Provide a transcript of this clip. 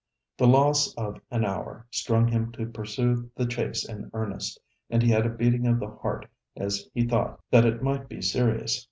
The loss of an hour strung him to pursue the chase in earnest, and he had a beating of the heart as he thought that it might be serious.